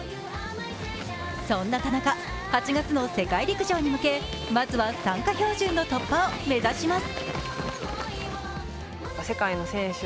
そんな田中、８月の世界陸上に向けまずは参加標準の突破を目指します。